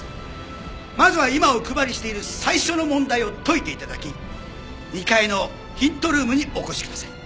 まずは今お配りしている最初の問題を解いて頂き２階のヒントルームにお越しください。